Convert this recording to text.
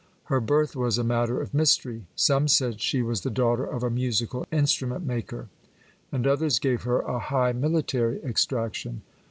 Her birth was a matter of mystery. Some said she was the daughter of a musical instrument maker, and others gave her a high military extraction.